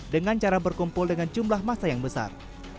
dengan cara berkumpul dengan jumlah masa yang besar